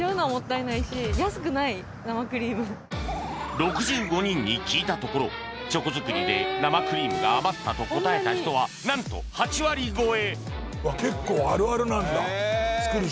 ６５人に聞いたところチョコ作りで生クリームが余ったと答えた人はなんと８割超え